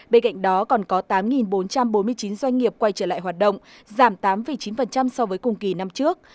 bên cạnh đó còn có tám bốn trăm bốn mươi chín doanh nghiệp quay trở lại hoạt động giảm tám chín so với cùng kỳ năm trước